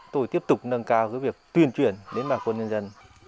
tôi tiếp tục nâng cao việc tuyên truyền đến bà quân nhân dân